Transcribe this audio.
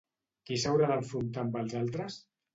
Qui s'haurà d'enfrontar amb els altres?